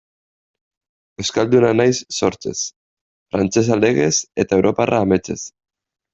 Euskalduna naiz sortzez, frantsesa legez, eta europarra ametsez.